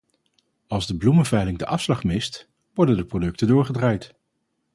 Als de bloemenveiling de afslag mist, worden de producten doorgedraaid.